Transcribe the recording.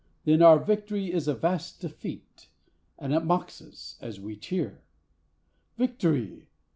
... Then our Victory is a vast defeat, and it mocks us as we cheer. Victory!